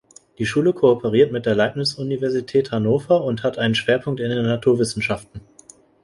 Die Schule kooperiert mit der Leibniz-Universität Hannover und hat einen Schwerpunkt in den Naturwissenschaften.